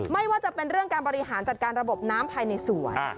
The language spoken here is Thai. ไม่ว่าจะเป็นเรื่องการบริหารจัดการระบบน้ำภายในสวน